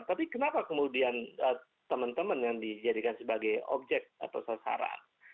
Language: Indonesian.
tapi kenapa kemudian teman teman yang dijadikan sebagai objek atau sasaran